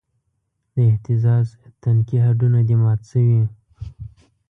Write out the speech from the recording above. د اهتزاز تنکي هډونه دې مات شوی